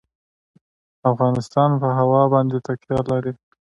افغانستان په هوا باندې تکیه لري.